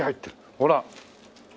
ほら！